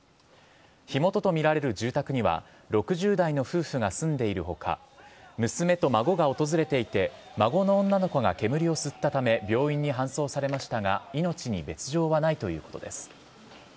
火元と見られる住宅には６０代の夫婦が住んでいるほか、娘と孫が訪れていて、孫の女の子が煙を吸ったため病院に搬送されましたが、命に別状はないということです。